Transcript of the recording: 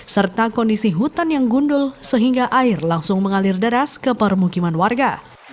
serta kondisi hutan yang gundul sehingga air langsung mengalir deras ke permukiman warga